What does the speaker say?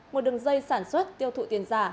một đường dây sản xuất tiêu thụ tiền giả